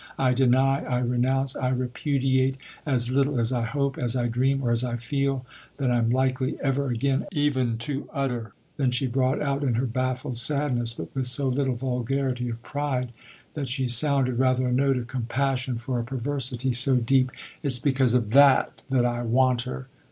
I ' deny,' I ' renounce,' I ' repudiate ' as little as I hope, as I dream, or as I feel that I'm likely ever again even to utter !" Then she brought out in her baffled sadness, but with so little vulgarity of pride that she sounded, rather, a note of compassion for a perversity so deep :" It's because of that that I want her